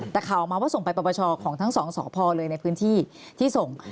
แต่ข่าวออกมาว่าส่งไปปรปชของทั้งสองสพเลยในพื้นที่ที่ส่ง